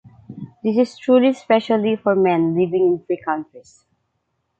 This is true especially for men living in free countries.